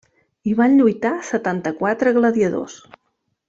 Hi van lluitar setanta-quatre gladiadors.